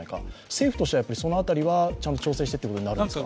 政府としてはその辺りはちゃんと調整してっていうふうになるんですか？